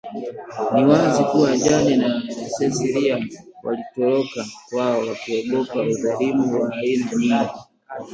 ni wazi kuwa Jane na Cecilia walitoroka kwao wakiogopa udhalimu wa aina nyingi